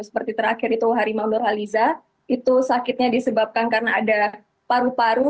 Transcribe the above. seperti terakhir itu harimau nurhaliza itu sakitnya disebabkan karena ada paru paru